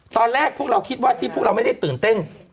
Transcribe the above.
ตอนแรกพวกเราคิดว่าที่พวกเราไม่ได้ตื่นเต้น